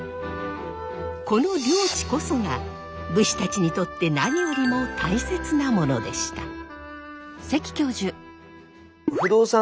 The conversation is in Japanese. この領地こそが武士たちにとって何よりも大切なものでした。